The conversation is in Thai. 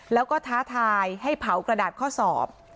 แล้วก็ท้าทายให้เผากระดาษข้อสอบ